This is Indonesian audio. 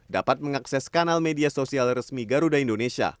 dapat mengakses kanal media sosial resmi garuda indonesia